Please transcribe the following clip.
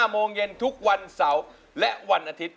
โมงเย็นทุกวันเสาร์และวันอาทิตย